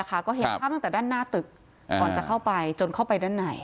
ก็เห็นภาพตั้งแต่ด้านหน้าตึกก่อนจะเข้าไปจนเข้าไปด้านใน